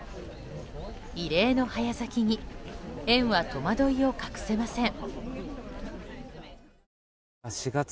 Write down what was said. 異例の早咲きに園は戸惑いを隠せません。